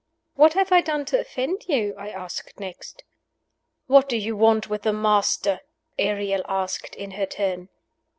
"What have I done to offend you?" I asked next. "What do you want with the Master?" Ariel asked, in her turn.